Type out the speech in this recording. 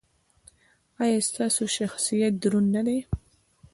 ایا ستاسو شخصیت دروند نه دی؟